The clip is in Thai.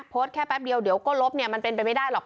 แค่แป๊บเดียวเดี๋ยวก็ลบเนี่ยมันเป็นไปไม่ได้หรอก